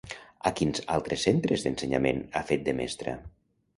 A quins altres centres d'ensenyament ha fet de mestra?